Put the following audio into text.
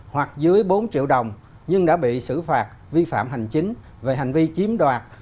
hoặc dưới bốn triệu đồng nhưng đã bị xử phạt vi phạm hành chính về hành vi chiếm đoạt